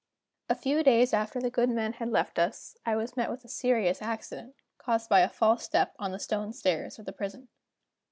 A few days after the good man had left us, I met with a serious accident, caused by a false step on the stone stairs of the prison.